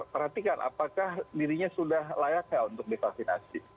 perhatikan apakah dirinya sudah layaknya untuk divaksinasi